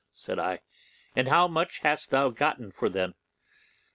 said I; 'and how much hast thou gotten for them?